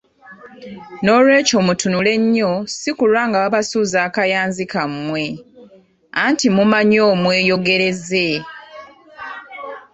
N'olwekyo mutunule nnyo si kulwa nga babasuuza akayanzi kammwe, anti mumumanyi omweyogereze!